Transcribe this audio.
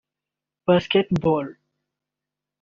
Basketball